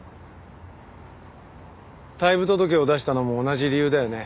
退部届を出したのも同じ理由だよね？